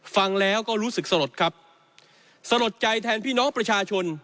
ฟังแล้วก็รู้สึกสลดครับสลดใจแทนพี่น้องประชาชน